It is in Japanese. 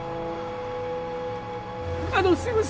あのすいません